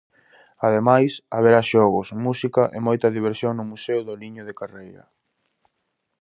Ademais, haberá xogos, música, e moita diversión no Museo do Liño de Carreira.